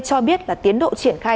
cho biết là tiến độ triển khai